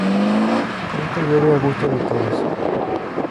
Nunca llueve a gusto de todos